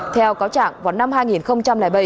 theo cáo chẳng vào năm hai nghìn bảy